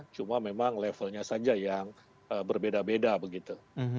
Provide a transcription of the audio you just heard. cuma memang levelnya saja yang berbeda beda begitu